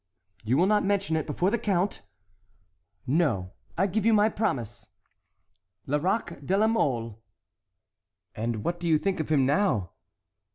"You will not mention it before the count?" "No, I give you my promise!" "Lerac de la Mole." "And what do you think of him now?"